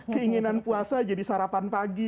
keinginan puasa jadi sarapan pagi